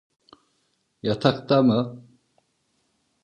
Yatakta mı?